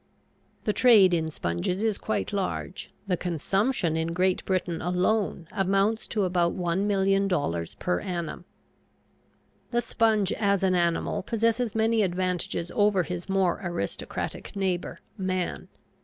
The trade in sponges is quite large. The consumption in Great Britain alone amounts to about $1,000,000 per annum. The sponge as an animal possesses many advantages over his more aristocratic neighbor, man.